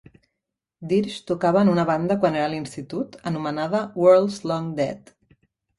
Dirge tocava en una banda quan era a l'institut anomenada Worlds Long Dead.